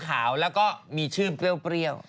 ขาวแล้วก็มีชื่นเปรี้ยว